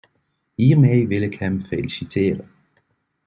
Hiermee wil ik hem feliciteren.